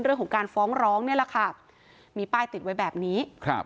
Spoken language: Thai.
เรื่องของการฟ้องร้องนี่แหละค่ะมีป้ายติดไว้แบบนี้ครับ